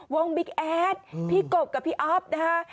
บิ๊กแอดพี่กบกับพี่อ๊อฟนะคะ